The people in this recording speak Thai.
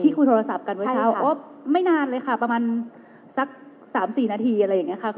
คุยโทรศัพท์กันเมื่อเช้าไม่นานเลยค่ะประมาณสัก๓๔นาทีอะไรอย่างนี้ค่ะ